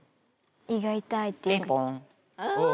「胃が痛い」ってよく。